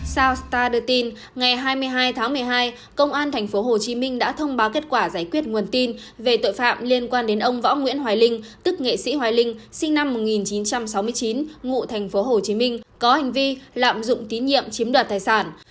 sao star đưa tin ngày hai mươi hai tháng một mươi hai công an tp hcm đã thông báo kết quả giải quyết nguồn tin về tội phạm liên quan đến ông võ nguyễn hoài linh tức nghệ sĩ hoài linh sinh năm một nghìn chín trăm sáu mươi chín ngụ tp hcm có hành vi lạm dụng tín nhiệm chiếm đoạt tài sản